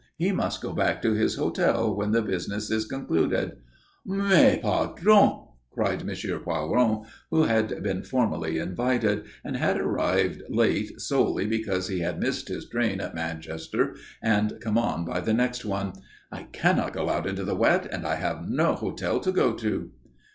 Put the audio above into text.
He must go back to his hotel when the business is concluded." "Mais, pardon!" cried M. Poiron, who had been formally invited, and had arrived late solely because he had missed his train at Manchester, and come on by the next one. "I cannot go out into the wet, and I have no hotel to go to."